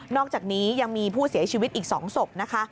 อกจากนี้ยังมีผู้เสียชีวิตอีก๒ศพนะคะ